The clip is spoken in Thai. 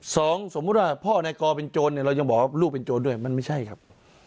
สมมุติว่าพ่อนายกอเป็นโจรเนี่ยเรายังบอกว่าลูกเป็นโจรด้วยมันไม่ใช่ครับ